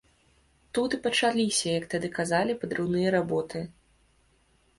Тут і пачаліся, як тады казалі, падрыўныя работы.